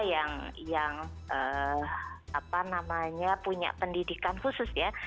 yang apa namanya punya pendidikan khusus ya